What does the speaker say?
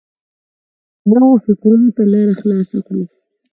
نویو فکرونو ته لاره خلاصه کړو.